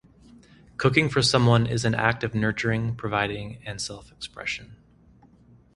Cooking for someone is an act of nurturing, providing, and self-expression.